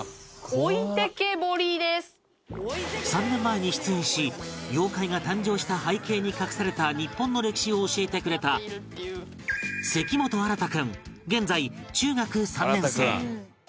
３年前に出演し妖怪が誕生した背景に隠された日本の歴史を教えてくれた関本創君現在中学３年生